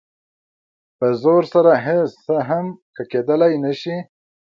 په زور سره هېڅ څه هم ښه کېدلی نه شي.